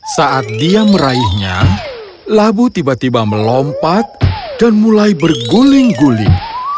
saat dia meraihnya labu tiba tiba melompat dan mulai berguling guling